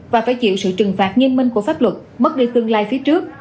và phải chịu sự trừng phạt nghiêm minh của pháp luật mất đi tương lai phía trước